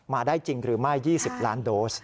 มาได้จริงหรือไม่๒๐ล้านโดส